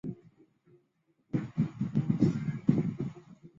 这五十块给你